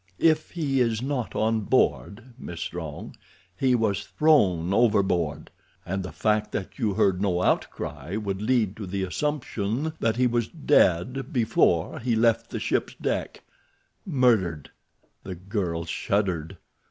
If he is not on board, Miss Strong, he was thrown overboard—and the fact that you heard no outcry would lead to the assumption that he was dead before he left the ship's deck—murdered." The girl shuddered.